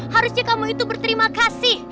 harusnya kamu itu berterima kasih